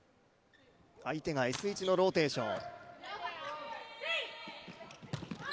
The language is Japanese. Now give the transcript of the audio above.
相手がＳ１のローテーション。